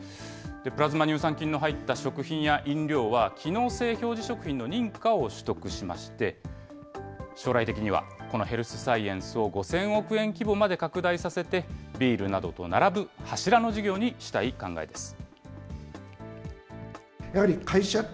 プラズマ乳酸菌の入った食品や飲料は機能性表示食品の認可を取得しまして、将来的にはこのヘルスサイエンスを５０００億円規模まで拡大させて、ビールなどと並ぶ柱の事業にしたい考えです。